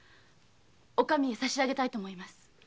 お上へ差しあげたいと思います。